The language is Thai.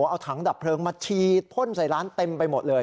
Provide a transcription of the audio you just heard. เอาถังดับเพลิงมาฉีดพ่นใส่ร้านเต็มไปหมดเลย